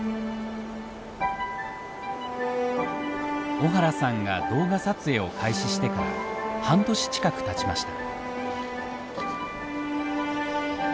小原さんが動画撮影を開始してから半年近くたちました。